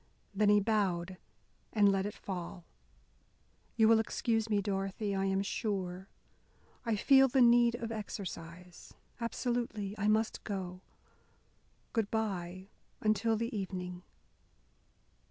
Then he bowed, and let it fall. "You will excuse me, Dorothy, I am sure. I feel the need of exercise. Absolutely I must go; good by until the evening."